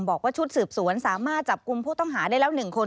บอกว่าชุดสืบสวนสามารถจับกลุ่มผู้ต้องหาได้แล้ว๑คน